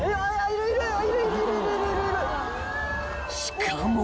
［しかも］